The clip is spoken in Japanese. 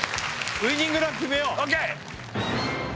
ウイニングラン決めようＯＫ